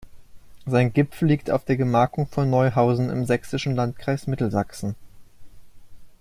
Sein Gipfel liegt auf der Gemarkung von Neuhausen im sächsischen Landkreis Mittelsachsen.